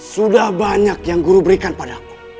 sudah banyak yang guru berikan pada aku